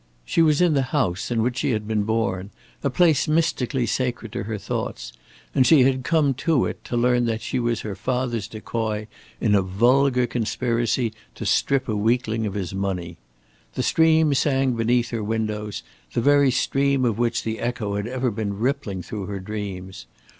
She was in the house in which she had been born, a place mystically sacred to her thoughts; and she had come to it to learn that she was her father's decoy in a vulgar conspiracy to strip a weakling of his money. The stream sang beneath her windows, the very stream of which the echo had ever been rippling through her dreams.